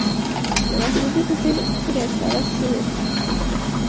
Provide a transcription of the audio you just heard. د محبوبې په څېره کې راښکاره شوې،